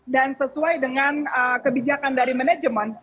dan sesuai dengan kebijakan dari manajemen